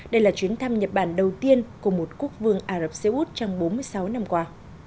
đây là chuyến thăm nhật bản đầu tiên của một quốc vương ả rập xê út trong bốn mươi sáu năm qua